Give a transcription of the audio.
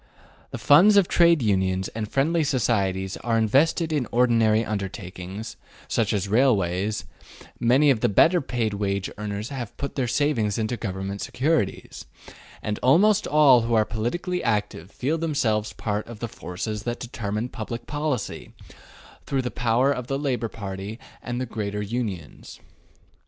The funds of Trade Unions and Friendly Societies are invested in ordinary undertakings, such as railways; many of the better paid wage earners have put their savings into government securities; and almost all who are politically active feel themselves part of the forces that determine public policy, through the power of the Labor Party and the greater unions.